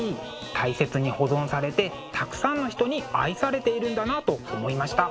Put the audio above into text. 大切に保存されてたくさんの人に愛されているんだなと思いました。